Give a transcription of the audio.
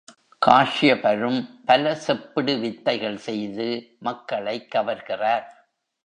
காஸ்யபரும் பல செப்பிடு வித்தைகள் செய்து மக்களைக் கவர்கிறார்.